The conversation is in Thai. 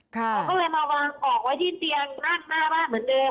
เขาก็เลยมาวางออกไว้ที่เตียงหน้าบ้านเหมือนเดิม